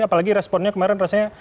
apalagi responnya kemarin rasanya